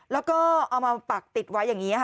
แล้วก็เอามาปักติดไว้อย่างนี้ค่ะ